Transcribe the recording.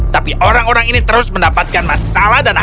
tapi orang orang ini terus mendapatkan masalah dan akibatnya